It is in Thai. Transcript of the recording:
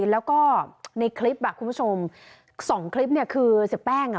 แล้วก็ในคลิปอ่ะคุณผู้ชมสองคลิปเนี่ยคือเสียแป้งอ่ะ